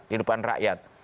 di depan rakyat